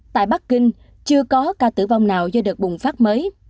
tại bắc kinh chưa có ca tử vong nào do đợt bùng phát mới